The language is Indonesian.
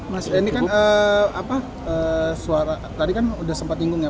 mas ini kan suara tadi kan udah sempat bingung ya